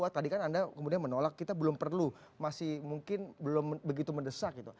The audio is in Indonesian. tadi kan anda kemudian menolak kita belum perlu masih mungkin belum begitu mendesak gitu